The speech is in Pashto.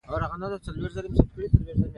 هغوی د سیند هغې برخې ته رهنيي کېدل.